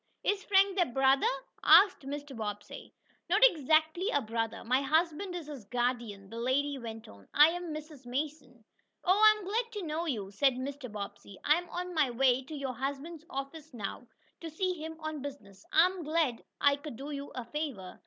"Is Frank their brother?" asked Mr. Bobbsey. "Not exactly a brother. My husband is his guardian," the lady went on. "I am Mrs. Mason." "Oh, I am glad to know you," said Mr. Bobbsey. "I am on my way to your husband's office now, to see him on business. I am glad I could do you a favor."